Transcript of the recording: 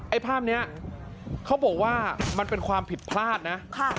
ภาพนี้เขาบอกว่ามันเป็นความผิดพลาดนะ